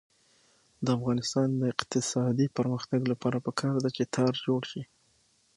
د افغانستان د اقتصادي پرمختګ لپاره پکار ده چې تار جوړ شي.